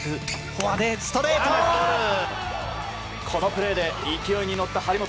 このプレーで勢いに乗った張本。